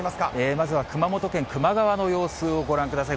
まずは熊本県、球磨川の様子をご覧ください。